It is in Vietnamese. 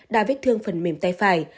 đa vết thương phần mềm tay phải